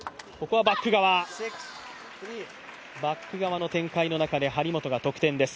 バック側の展開の中で張本が得点です。